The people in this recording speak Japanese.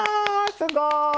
すごい！